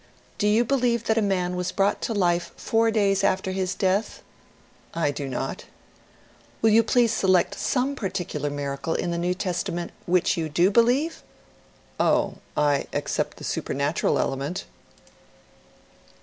P. " Do you believe that a man was brought to life four days after his death ?" F. " I do not." P. " Will you please select some particular miracle in the New Testament which you do believe?" F. " Oh, I accept the supernatural element."